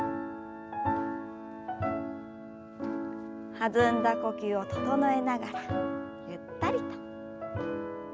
弾んだ呼吸を整えながらゆったりと。